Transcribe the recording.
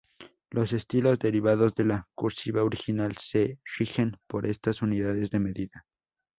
Los estilos derivados de la cursiva original se rigen por estas unidades de medida.